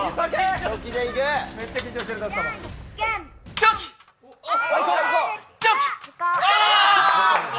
チョキだ！